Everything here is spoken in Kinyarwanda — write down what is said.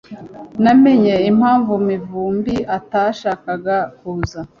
Namenye impamvu Mivumbi atashakaga kuza.